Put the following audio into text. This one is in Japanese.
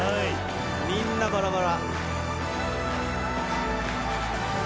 みんなバラバラ。